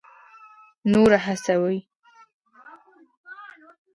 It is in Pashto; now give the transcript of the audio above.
نور هڅوي.